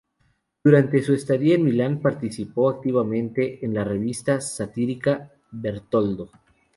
Durante su estadía en Milán, participó activamente en la revista satírica "Bertoldo".